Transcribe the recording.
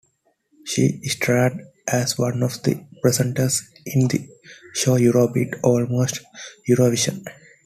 She starred as one of the presenters in the show Eurobeat: Almost Eurovision!